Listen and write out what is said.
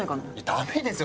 ダメですよ